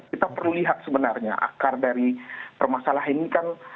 kita perlu lihat sebenarnya akar dari permasalahan ini kan